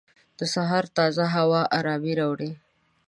د سهار تازه هوا ارامۍ راوړي.